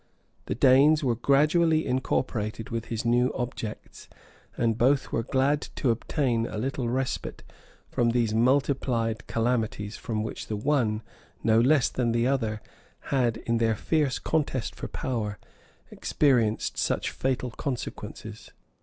The Danes were gradually incorporated with his new objects; and both were glad to obtain a little respite from those multiplied calamities, from which the one, no less than the other, had, in their fierce contest for power, experienced such fatal consequences.